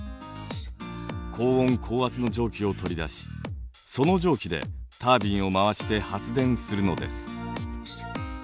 高温高圧の蒸気を取り出しその蒸気でタービンを回して発電するのです。